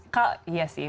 kak iya sih